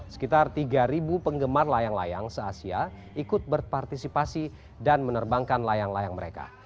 sekitar tiga penggemar layang layang se asia ikut berpartisipasi dan menerbangkan layang layang mereka